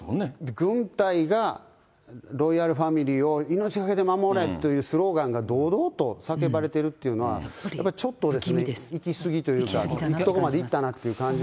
軍隊がロイヤルファミリーを命懸けで守れというスローガンが堂々と叫ばれてるっていうのは、やっぱりちょっと行き過ぎというか、行くところまで行ったなという感じが。